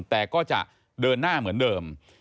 แต่ก็จะเดินหน้าเหมือนเดิม